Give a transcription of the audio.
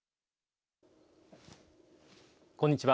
こんにちは。